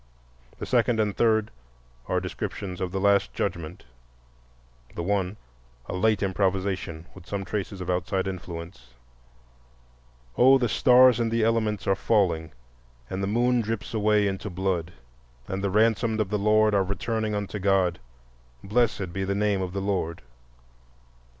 The second and third are descriptions of the Last Judgment,—the one a late improvisation, with some traces of outside influence: "Oh, the stars in the elements are falling, And the moon drips away into blood, And the ransomed of the Lord are returning unto God, Blessed be the name of the Lord."